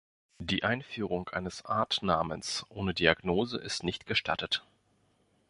Die Einführung eines Artnamens ohne Diagnose ist nicht gestattet.